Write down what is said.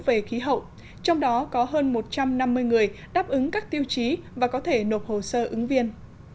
về khí hậu trong đó có hơn một trăm năm mươi người đáp ứng các tiêu chí và có thể nộp hồ sơ ứng viên